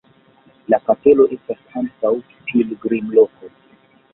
La kapelo estas ankaŭ pilgrimloko.